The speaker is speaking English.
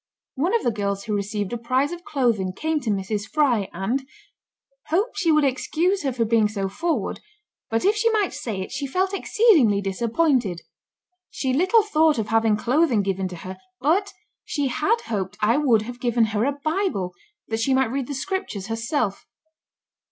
One of the girls who received a prize of clothing came to Mrs. Fry, and "hoped she would excuse her for being so forward, but if she might say it, she felt exceedingly disappointed; she little thought of having clothing given to her, but she had hoped I would have given her a Bible, that she might read the Scriptures herself."